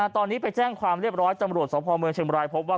ตอนนี้ไปแจ้งความเรียบร้อยตำรวจสพเมืองเชียงบรายพบว่า